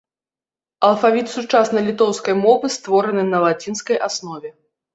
Алфавіт сучаснай літоўскай мовы створаны на лацінскай аснове.